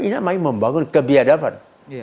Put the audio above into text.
ini namanya membangun kebiadaban